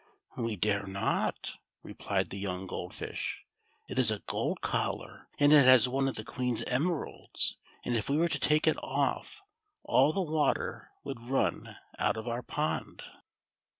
" \Vc dare not," rephed the young Gold Fish ; "it is a gold collar, and it has one of the Queen's emeralds, and if we were to take it off, all the water would run out of our pond."